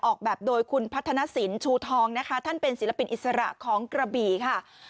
ออกแบบโดยคุณพัฒนสินชูทองนะคะท่านเป็นศิลปินอิสระของกระบี่ค่ะ